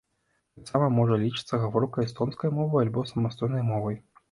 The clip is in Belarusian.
Таксама можа лічыцца гаворкай эстонскай мовы альбо самастойнай мовай.